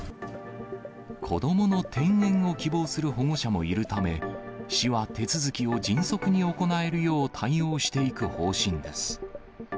子どもの転園を希望する保護者もいるため、市は手続きを迅速に行えるよう対応していく方針です。